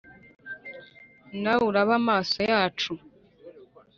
Nawe uzaba amaso yacu